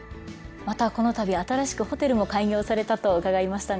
またこのたび新しくホテルも開業されたと伺いましたが。